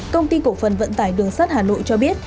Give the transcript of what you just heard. công ty cổ phần vận tải đường sắt hà nội cho biết